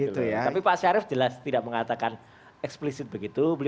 tapi pak syarif jelas tidak mengatakan eksplisit begitu